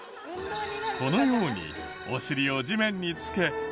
このようにお尻を地面につけ前に進むだけ。